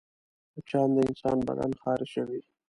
مچان د انسان بدن خارشوي